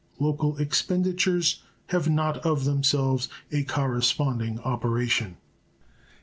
Local expenditures have not of themselves a corresponding operation.